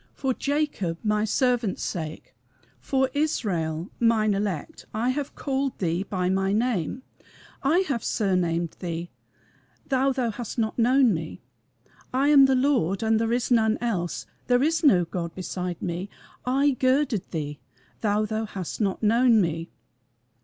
........ For Jacob my servant's sake, For Israel mine elect, I have called thee by my name: I have surnamed thee, though thou hast not known me. I am the Lord, and there is none else, there is no God beside me: I girded thee, though thou hast not known me."